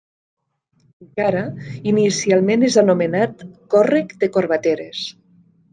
Encara, inicialment és anomenat Còrrec de Corbateres.